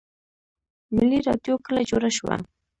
ملي راډیو کله جوړه شوه؟